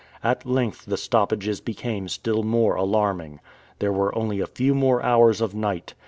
At length the stoppages became still more alarming. There were only a few more hours of night.